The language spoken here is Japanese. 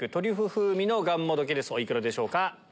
お幾らでしょうか？